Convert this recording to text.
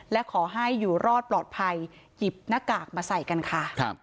และขอให้อยู่รอดปลอดภัยหยิบหน้ากากมาใส่กันค่ะ